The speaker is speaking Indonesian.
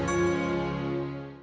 saya kagak pakai pegawai